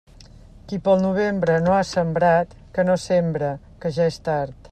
Qui pel novembre no ha sembrat, que no sembre, que ja és tard.